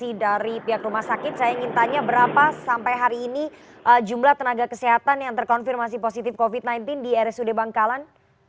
informasi dari pihak rumah sakit saya ingin tanya berapa sampai hari ini jumlah tenaga kesehatan yang terkonfirmasi positif covid sembilan belas di rsud bangkalan